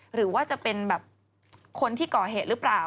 หรือว่าจะเป็นแบบคนที่ก่อเหตุหรือเปล่า